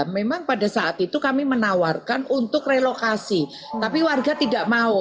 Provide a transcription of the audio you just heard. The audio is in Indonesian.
memang pada saat itu kami menawarkan untuk relokasi tapi warga tidak mau